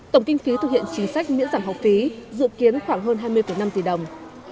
tổng kinh phí thực hiện chính sách miễn giảm học phí dự kiến khoảng hơn hai mươi năm tỷ đồng